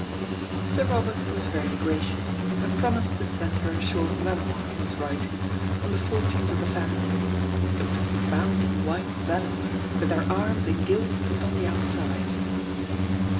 Sir Robert was very gracious, and promised to send her a short memoir he was writing on the fortunes of the family. It was to be bound in white vellum, with their arms in gilt upon the outside.